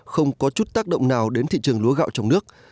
không có chút tác động nào đến thị trường lúa gạo trong nước